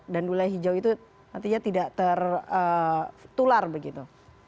dan wilayah hijau itu nantinya tidak tertular begitu